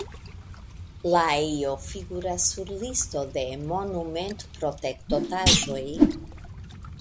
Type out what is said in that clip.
La ejo figuras sur listo de monumentprotektotaĵoj.